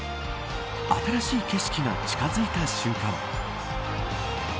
新しい景色が近づいた瞬間。